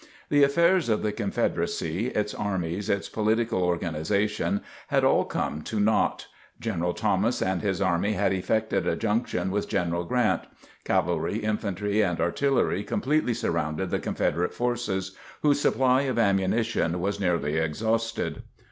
The affairs of the Confederacy, its armies, its political organization, had all come to naught. General Thomas and his army had effected a junction with General Grant. Cavalry, infantry and artillery completely surrounded the Confederate forces, whose supply of ammunition was nearly exhausted.